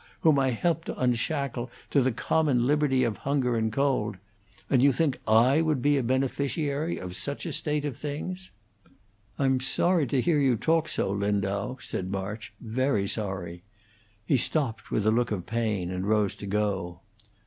ha! whom I helped to unshackle to the common liberty of hunger and cold. And you think I would be the beneficiary of such a state of things?" "I'm sorry to hear you talk so, Lindau," said March; "very sorry." He stopped with a look of pain, and rose to go.